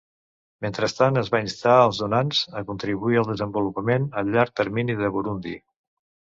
Mentrestant, es va instar als donants a contribuir al desenvolupament a llarg termini de Burundi.